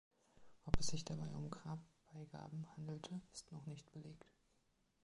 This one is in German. Ob es sich dabei um Grabbeigaben handelte, ist noch nicht belegt.